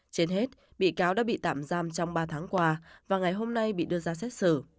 trên hết bị cáo đã bị tạm giam trong ba tháng qua và ngày hôm nay bị đưa ra xét xử